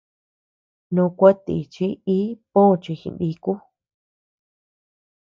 Nòò kueatʼichi ii pö chi jiniku.